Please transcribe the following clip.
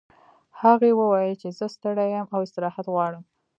هغې وویل چې زه ستړې یم او استراحت غواړم